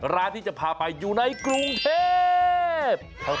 ร้านที่จะพาไปอยู่ในกรุงเทพ